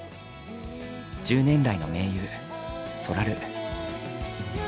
１０年来の盟友そらる。